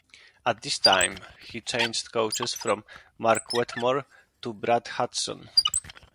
At this time he changed coaches from Mark Wetmore to Brad Hudson.